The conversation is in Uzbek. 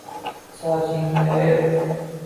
Sochingni yoyib